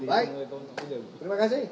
baik terima kasih